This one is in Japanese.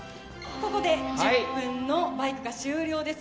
ここで１０分のバイクが終了です。